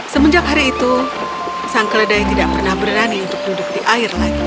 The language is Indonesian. semenjak hari itu sang keledai tidak pernah berani untuk duduk di air lagi